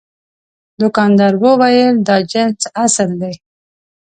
دوکاندار وویل دا جنس اصل دی.